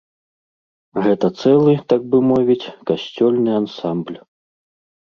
Гэта цэлы, так бы мовіць, касцёльны ансамбль.